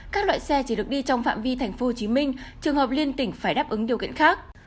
các loại xe chỉ được đi trong phạm vi tp hcm trường hợp liên tỉnh phải đáp ứng điều kiện khác